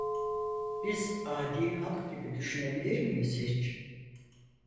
Biz adi halk gibi düşünebilir miyiz hiç?